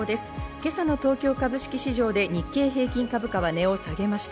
今朝の東京株式市場で日経平均株価は値を下げました。